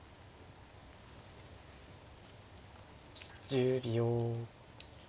１０秒。